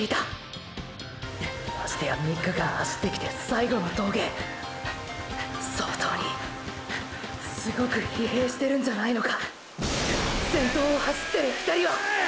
ましてや３日間走ってきて最後の峠相当にすごく疲弊してるんじゃないのか先頭を走ってる２人は！！